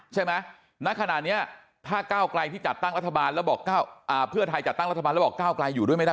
ณขณะนี้ถ้าก้าวไกลที่จัดตั้งรัฐบาลแล้วบอกเพื่อไทยจัดตั้งรัฐบาลแล้วบอกก้าวไกลอยู่ด้วยไม่ได้